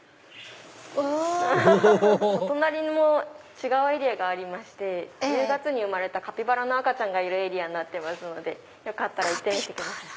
おお隣違うエリアがありまして１０月に生まれたカピバラの赤ちゃんがいるエリアですのでよかったら行ってみてください。